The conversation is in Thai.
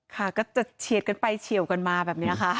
ค่ะก็จะเฉียดกันไปเฉียวกันมาแบบนี้ค่ะ